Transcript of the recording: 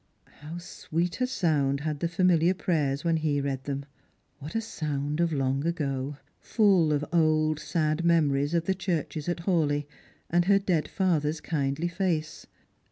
How sweet a sound had the familiar prayers when he read them ! what a sound of long ago !— full of old sad memories ot the churches at Hawleigh, and her dead father's kindly face.